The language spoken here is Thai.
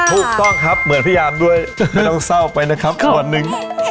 ถูกต้องครับเหมือนพยายามด้วยไม่ต้องเศร้าไปนะครับส่วนหนึ่ง